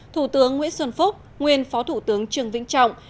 thủ tướng nguyễn xuân phúc nguyên phó thủ tướng trường vĩnh trọng